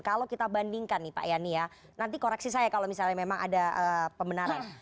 kalau kita bandingkan nih pak yani ya nanti koreksi saya kalau misalnya memang ada pembenaran